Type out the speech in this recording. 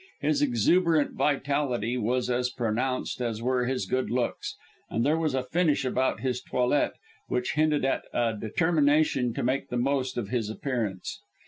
His exuberant vitality was as pronounced as were his good looks, and there was a finish about his toilette which hinted at a determination to make the most of his appearance.